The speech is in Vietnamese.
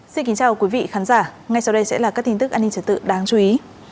xin kính chào quý vị khán giả ngay sau đây sẽ là các tin tức an ninh trật tự đáng chú ý